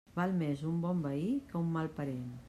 Val més un bon veí que un mal parent.